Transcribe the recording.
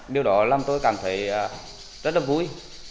điều đó làm tôi cảm thấy rất là vui